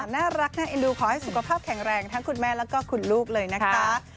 น่ารักน่าเอ็นดูขอให้สุขภาพแข็งแรงทั้งคุณแม่แล้วก็คุณลูกเลยนะคะ